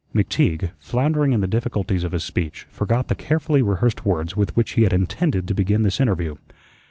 McTeague, floundering in the difficulties of his speech, forgot the carefully rehearsed words with which he had intended to begin this interview.